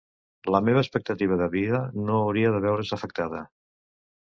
La meva expectativa de vida no hauria de veure's afectada.